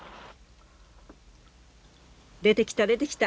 出てきた出てきた！